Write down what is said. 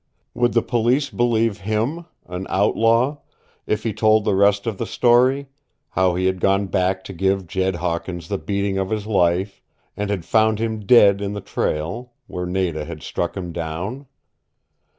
Would the police believe HIM an outlaw if he told the rest of the story? how he had gone back to give Jed Hawkins the beating of his life, and had found him dead in the trail, where Nada had struck him down?